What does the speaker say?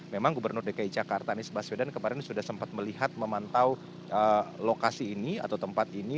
memang gubernur dki jakarta anies baswedan kemarin sudah sempat melihat memantau lokasi ini atau tempat ini